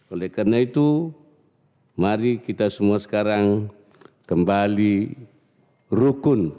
oleh karena itu mari kita semua sekarang kembali rukun